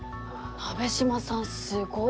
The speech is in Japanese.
鍋島さんすごっ。